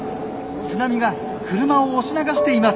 津波が車を押し流しています。